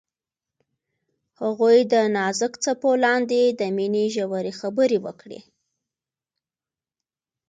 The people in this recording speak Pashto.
هغوی د نازک څپو لاندې د مینې ژورې خبرې وکړې.